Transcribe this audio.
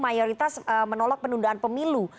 mayoritas menolak pendundaan pemilu